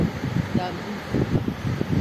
Plan buydu.